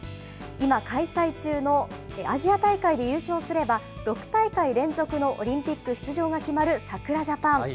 今開催中のアジア大会で優勝すれば、６大会連続のオリンピック出場が決まるさくらジャパン。